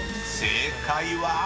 ［正解は⁉］